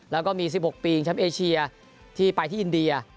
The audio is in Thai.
แล้วก็มี๑๖ปีแชมป์เอเชียที่ไปที่อินเดีย